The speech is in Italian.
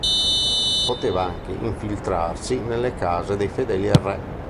Poteva anche infiltrarsi nelle case dei fedeli al re.